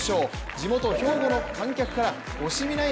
地元・兵庫の観客から惜しみない